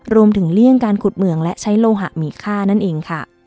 รวมถึงเลี่ยงการขุดเหมืองและใช้โลหะมีค่านั่นเอง